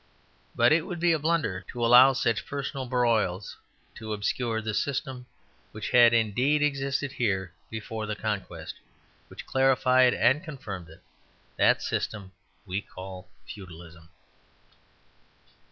But it would be a blunder to allow such personal broils to obscure the system, which had indeed existed here before the Conquest, which clarified and confirmed it. That system we call Feudalism.